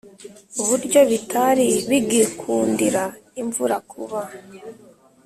buryo bitari bigikundira imvubu kuba